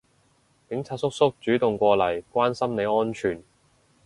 警察叔叔主動過嚟關心你安全